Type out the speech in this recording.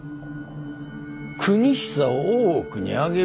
邦久を大奥に上げる！？